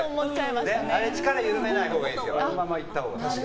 力緩めないほうがいいですよ。